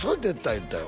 言うてたよ